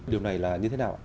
điều này là như thế nào